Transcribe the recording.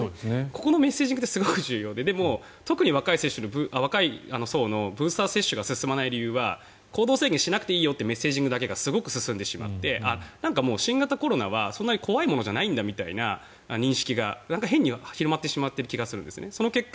ここのメッセージングってすごく重要でただ、特に若い世代でブースター接種が進まない理由は行動制限しなくていいよというメッセージングだけがすごく進んでしまって新型コロナはそんなに怖いものじゃないんだという認識が広まっている気がするんですね。